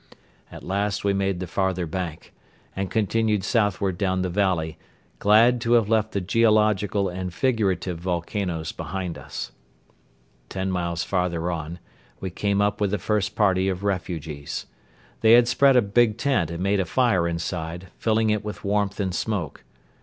At last we made the farther bank and continued southward down the valley, glad to have left the geological and figurative volcanoes behind us. Ten miles farther on we came up with the first party of refugees. They had spread a big tent and made a fire inside, filling it with warmth and smoke.